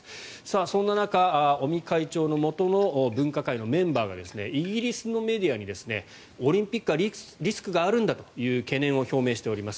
そんな中、尾身会長のもとの分科会のメンバーがイギリスのメディアにオリンピックはリスクがあるんだという懸念を表明しています。